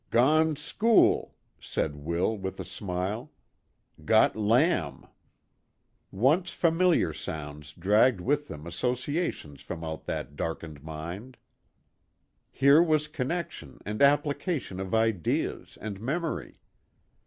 " Gone school" said Will, with a smile, "got lamb" Once familiar sounds dragged with them associations from out that darkened mind. Here 174 THE GOOD SAMARITAN. was connection and application of ideas, and memory.